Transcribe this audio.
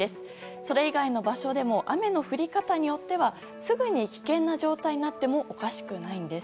それ以外の場所でも雨の降り方によってはすぐに危険な状態になってもおかしくないんです。